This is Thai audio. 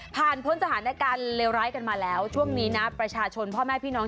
พ้นสถานการณ์เลวร้ายกันมาแล้วช่วงนี้นะประชาชนพ่อแม่พี่น้อง